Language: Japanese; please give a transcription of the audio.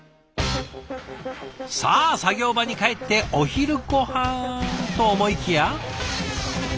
さあ作業場に帰ってお昼ごはんと思いきや。